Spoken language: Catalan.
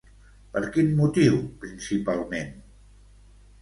Per quin motiu principalment?